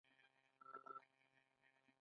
دود او ټیکنالوژي یوځای دي.